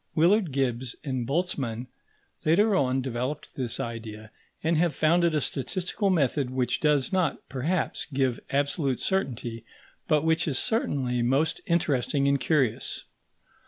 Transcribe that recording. Willard Gibbs and Boltzmann later on developed this idea, and have founded a statistical method which does not, perhaps, give absolute certainty, but which is certainly most interesting and curious.